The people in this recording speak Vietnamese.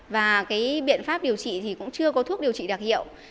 và cái biện pháp điều trị thì cũng chưa có thuốc điều trị đặc hiệu